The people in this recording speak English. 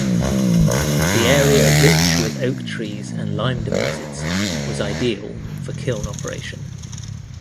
The area rich with oak trees and lime deposits was ideal for kiln operation.